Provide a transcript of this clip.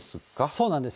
そうなんです。